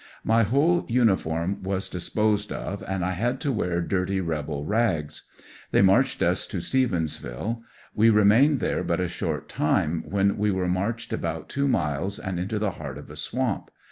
j^y whole uniform was disposed of and I had to wear dirty rebel rags. Thej^ marched us to Stevensville. We remained there but a short time when we were marched about two miles and into the heart of a swamp.